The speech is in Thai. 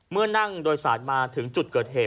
นั่งโดยสารมาถึงจุดเกิดเหตุ